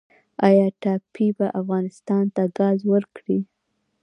آیا ټاپي به افغانستان ته ګاز ورکړي؟